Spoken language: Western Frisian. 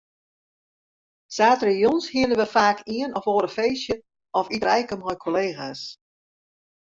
Saterdeitejûns hiene we faak ien of oar feestje of iterijke mei kollega's.